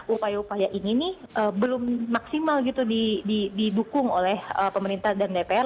upaya upaya ini belum maksimal gitu didukung oleh pemerintah dan dpr